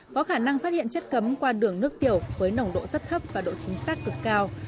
có khả năng phát hiện chất cấm qua đường nước tiểu với nồng độ rất thấp và độ chính xác cực cao